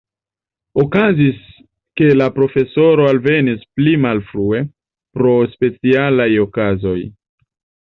Okazis, ke la profesoro alvenis pli malfrue, pro specialaj okazoj.